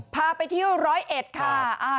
พาไปเที่ยวร้อยเอ็ดค่ะ